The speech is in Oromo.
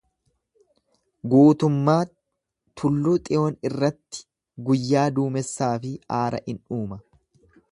Guutummaa tulluu Xiyoon irratti guyyaa duumessaa fi aara in uuma.